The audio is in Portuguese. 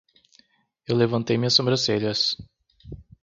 Eu levantei minhas sobrancelhas.